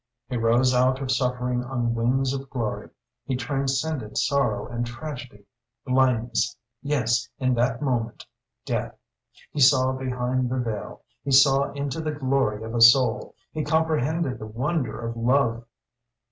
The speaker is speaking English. He rose out of suffering on wings of glory. He transcended sorrow and tragedy, blindness yes, in that moment, death. He saw behind the veil; he saw into the glory of a soul; he comprehended the wonder of love.